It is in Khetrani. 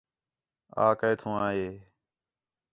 آ کِتھوں آ ہِے